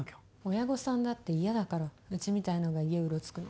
親御さんだって嫌だからうちみたいのが家うろつくの。